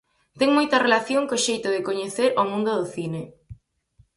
Ten moita relación co xeito de coñecer o mundo do cine.